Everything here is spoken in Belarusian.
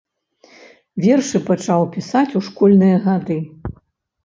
Вершы пачаў пісаць у школьныя гады.